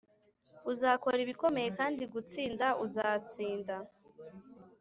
uzakora ibikomeye kandi gutsinda uzatsinda